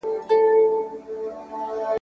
ناامیدي هغه زهر دي چې د انسان اراده فلج کوي.